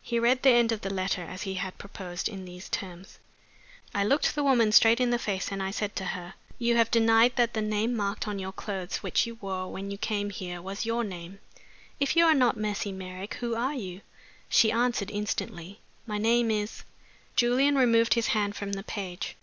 He read the end of the letter, as he had proposed, in these terms: "'I looked the woman straight in the face, and I said to her, "You have denied that the name marked on the clothes which you wore when you came here was your name. If you are not Mercy Merrick, who are you?" She answered, instantly, "My name is "'" Julian removed his hand from the page.